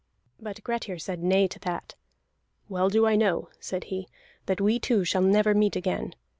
But Grettir said nay to that. "Well do I know," said he, "that we two shall never meet again.